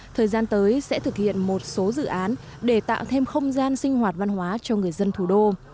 thời gian tới sẽ thực hiện một số dự án để tạo thêm không gian sinh hoạt văn hóa cho người dân thủ đô